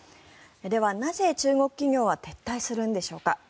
では、なぜ中国企業は撤退するんでしょうか。